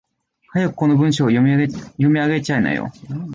早くこの文章を読み上げちゃいなよ。